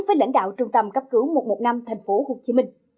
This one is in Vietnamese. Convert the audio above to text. với lãnh đạo trung tâm cấp cứu một trăm một mươi năm thành phố hồ chí minh